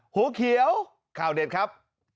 หัวเขียวข่าวเด็ดครับ